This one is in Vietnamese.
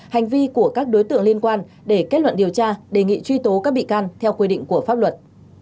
hành vi của các đối tượng liên quan để kết luận điều tra đề nghị truy tố các bị can theo quy định của pháp luật